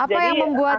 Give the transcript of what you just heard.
apa yang membuat